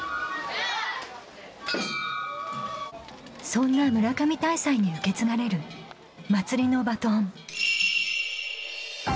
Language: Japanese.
そんな村上大祭に受け継がれるまつりのバトン